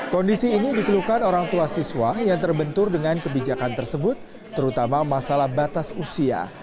kondisi ini dikeluhkan orang tua siswa yang terbentur dengan kebijakan tersebut terutama masalah batas usia